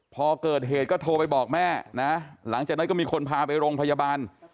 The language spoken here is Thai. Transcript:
พอเกิดเหตุก็โทรไปบอกแม่นะหลังจากนั้นก็มีคนพาไปโรงพยาบาล